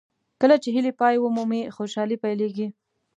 کله چې هیلې پای ومومي خوشالۍ پیلېږي.